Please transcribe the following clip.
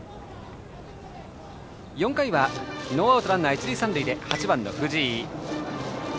４回はノーアウトランナー、一塁三塁で８番の藤井。